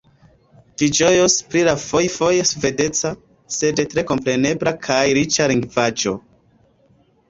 Vi ĝojos pri la fojfoje svedeca, sed tre komprenebla kaj riĉa lingvaĵo.